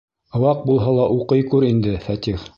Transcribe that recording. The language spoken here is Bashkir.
Ваҡ булһа ла уҡый күр инде, Фәтих!